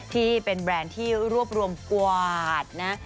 ที่เป็นแบรนด์ที่รวบรวมกวาดนะ